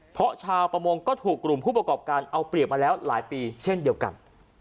เพราะชาวประมงก็ถูกกลุ่มผู้ประกอบการเอาเปรียบมาแล้วหลายปีเช่นเดียวกัน